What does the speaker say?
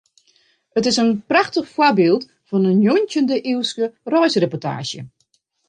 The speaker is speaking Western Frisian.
It is in prachtich foarbyld fan in njoggentjinde-iuwske reisreportaazje.